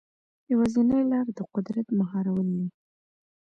یوازینۍ لاره د قدرت مهارول دي.